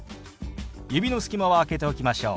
指の隙間は空けておきましょう。